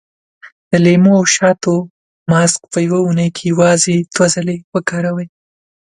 د لیمو او شاتو ماسک په يوه اونۍ کې یوازې دوه ځلې وکاروئ.